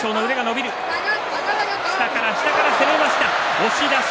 押し出し。